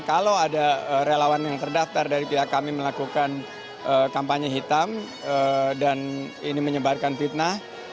kalau ada relawan yang terdaftar dari pihak kami melakukan kampanye hitam dan ini menyebarkan fitnah